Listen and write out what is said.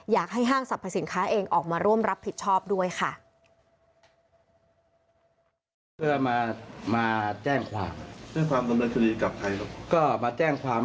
ห้างสรรพสินค้าเองออกมาร่วมรับผิดชอบด้วยค่ะ